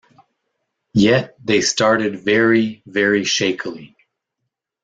Yet, they started very, very shakily.